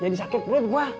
jadi sakit perut gua